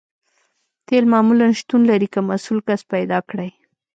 تیل معمولاً شتون لري که مسؤل کس پیدا کړئ